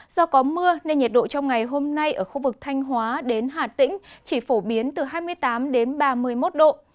do có mưa nên nhiệt độ trong ngày hôm nay ở khu vực thanh hóa đến hà tĩnh chỉ phổ biến từ hai mươi tám ba mươi một độ